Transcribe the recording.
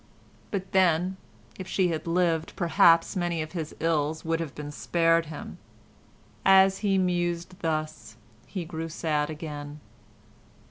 But then, if she had lived, perhaps many of his ills would have been spared him. As he mused thus he grew sad again.